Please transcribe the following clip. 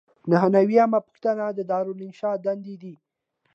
نهه نوي یمه پوښتنه د دارالانشا دندې دي.